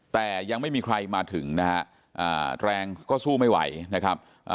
แต่ยังไม่มีใครมาถึงนะฮะแรงก็สู้ไม่ไหวนะครับ